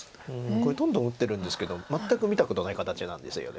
これどんどん打ってるんですけど全く見たことない形なんですよね。